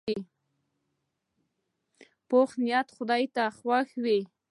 پوخ نیت خدای ته خوښ وي